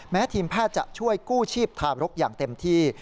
ทีมแพทย์จะช่วยกู้ชีพทารกอย่างเต็มที่